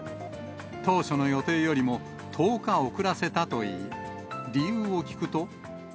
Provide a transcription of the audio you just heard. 当初の予定よりも１０日遅らせたといい、理由を聞くと。